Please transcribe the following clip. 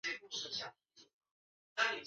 受长信卿之位。